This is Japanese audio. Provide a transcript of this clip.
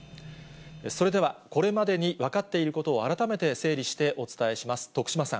それでは、これまでに分かっていることを改めて整理してお伝えします。